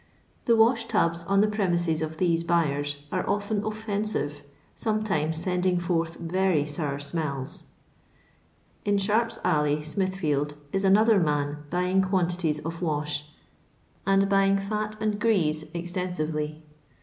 The wash tubs on the premises of these buyers are often offensive, sometimes sending forth very sour smells. In Sharp*s alley, Smithfield, is another man buying quantities of wash, and buying &t and LONDON LABOUR AND TUB LONDON POOR. 188 I eztennvely.